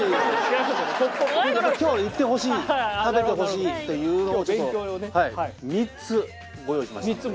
今日は行ってほしい食べてほしいっていうのをちょっと３つご用意しましたので。